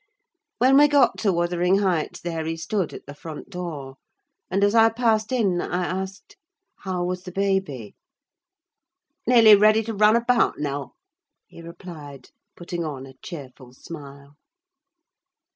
When we got to Wuthering Heights, there he stood at the front door; and, as I passed in, I asked, "how was the baby?" "Nearly ready to run about, Nell!" he replied, putting on a cheerful smile.